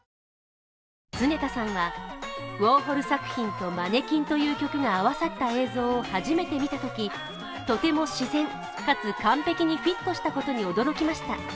常田さんは、ウォーホル作品と「Ｍａｎｎｅｑｕｉｎ」という曲が合わさった映像を初めて見たとき、とても自然かつ完璧にフィットしたことに驚きました。